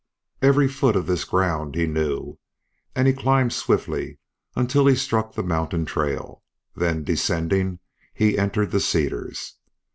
Every foot of this ground he knew, and he climbed swiftly until he struck the mountain trail. Then, descending, he entered the cedars.